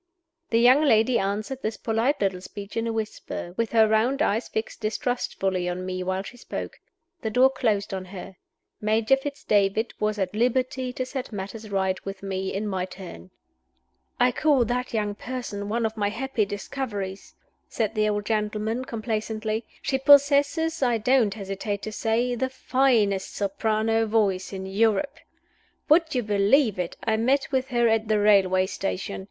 _" The young lady answered this polite little speech in a whisper with her round eyes fixed distrustfully on me while she spoke. The door closed on her. Major Fitz David was a t liberty to set matters right with me, in my turn. "I call that young person one of my happy discoveries;" said the old gentleman, complacently. "She possesses, I don't hesitate to say, the finest soprano voice in Europe. Would you believe it, I met with her at the railway station.